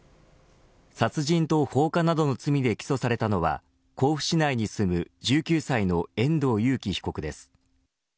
殺人と放火などの罪で起訴されたのは甲府市内に住む１９歳の遠藤裕喜被告です。